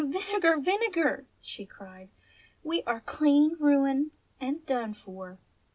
"Oh, Vinegar, Vinegar!" she cried. "We are clean ruined and done for